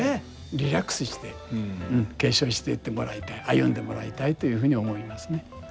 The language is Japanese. リラックスして継承していってもらいたい歩んでもらいたいというふうに思いますね。